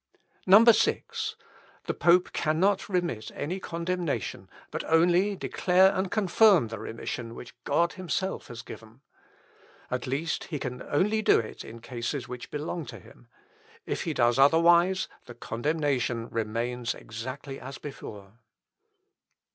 6. "The pope cannot remit any condemnation, but only declare and confirm the remission which God himself has given. At least he can only do it in cases which belong to him. If he does otherwise, the condemnation remains exactly as before.